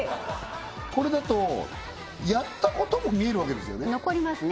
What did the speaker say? これだとやったことも見えるわけですよね残りますね